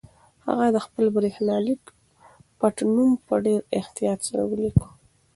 هغه د خپل برېښنالیک پټنوم په ډېر احتیاط سره ولیکه.